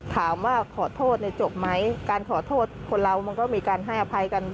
ถามว่าขอโทษจบไหมการขอโทษคนเรามันก็มีการให้อภัยกัน